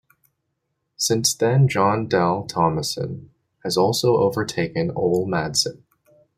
Since then, Jon Dahl Tomasson has also overtaken Ole Madsen.